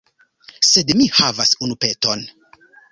Sed mi havas unu peton.